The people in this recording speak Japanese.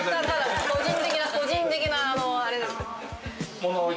個人的な個人的なあれです